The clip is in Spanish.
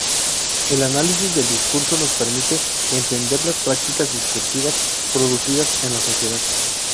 El análisis del discurso nos permite entender las prácticas discursivas producidas en la sociedad.